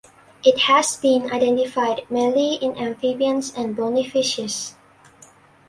It has been identified mainly in amphibians and bony fishes.